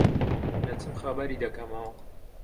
دەچم خەبەری دەکەمەوە.